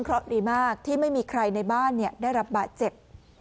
เพราะดีมากที่ไม่มีใครในบ้านได้รับบาดเจ็บ